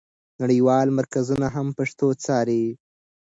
نړیوال مرکزونه هم پښتو څاري.